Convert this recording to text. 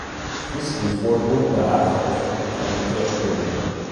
It Frysk wie foar oer de hage of op it amateurtoaniel.